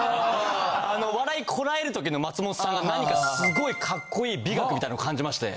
あ。笑い堪える時の松本さんが何かすごいカッコいい美学みたいなの感じまして。